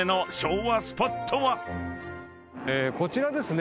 こちらですね。